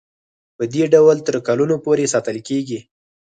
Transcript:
پدې ډول تر کلونو پورې ساتل کیږي.